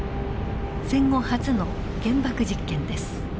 戦後初の原爆実験です。